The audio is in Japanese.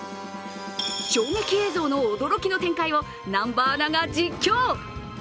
衝撃映像の驚きの展開を南波アナが実況。